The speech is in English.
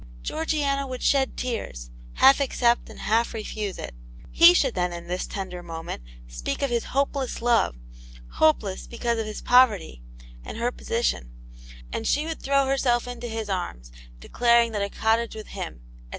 Georgiana would shed tears, half accept and half refuse it; he should then in this tender moment speak of his hope« less love — hopeless, because of his poverty and her position, and she would throw herself into his arms, declaring that a cottage with him, &c.